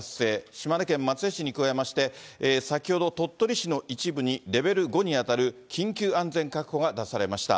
島根県松江市に加えまして、先ほど鳥取市の一部にレベル５に当たる、緊急安全確保が出されました。